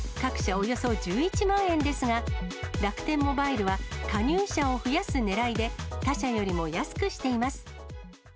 およそ１１万円ですが、楽天モバイルは加入者を増やすねらいで、他社よりも安くしています。